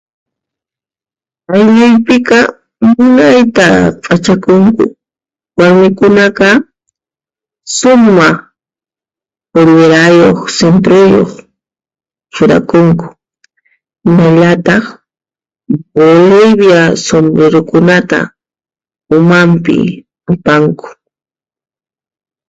Aylluypiqa, munayta P'achakunku. warmikunaqa: sumaq pullirayuq, sunpiru churakunku hinallataq Bolivia sunpirukunata umanpi apanku.